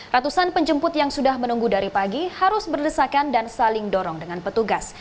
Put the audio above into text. ratusan penjemput yang sudah menunggu dari pagi harus berdesakan dan saling dorong dengan petugas